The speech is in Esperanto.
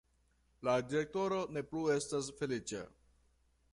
La direktoro ne plu estas feliĉa.